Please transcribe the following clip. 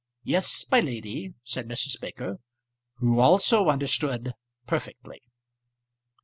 "Yes, my lady," said Mrs. Baker who also understood perfectly.